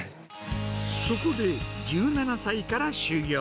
そこで１７歳から修業。